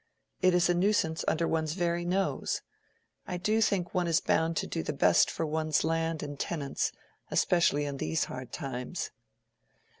It is a nuisance under one's very nose. I do think one is bound to do the best for one's land and tenants, especially in these hard times."